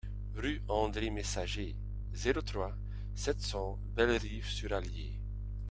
Rue Andre Messager, zéro trois, sept cents Bellerive-sur-Allier